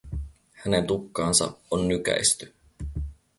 Hänen tukkaansa on nykäisty.